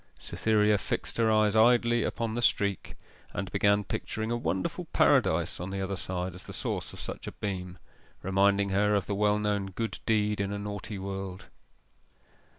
Cytherea fixed her eyes idly upon the streak, and began picturing a wonderful paradise on the other side as the source of such a beam reminding her of the well known good deed in a naughty world.